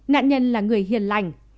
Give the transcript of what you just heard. nạn nhân là người hiền lành